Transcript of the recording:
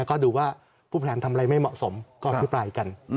แล้วก็ดูว่าผู้แผนทำอะไรไม่เหมาะสมก็อภิปรายกัน